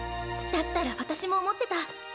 だったら私も思ってた。